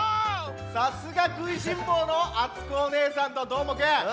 さすがくいしんぼうのあつこおねえさんとどーもくん！